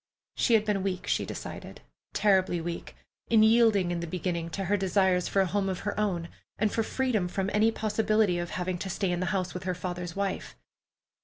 She had been weak, she decided, terribly weak, in yielding in the beginning to her desire for a home of her own, and for freedom from any possibility of having to stay in the house with her father's wife.